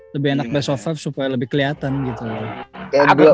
lebih enak best of supaya lebih kelihatan gitu loh